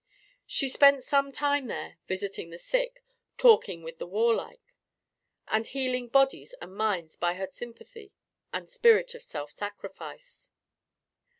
She spent some time there, visiting the sick, talking with the warlike, and healing bodies and minds by her sympathy and spirit of self sacrifice.